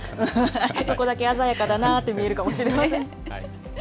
あそこだけ鮮やかだなって見えるかもしれません。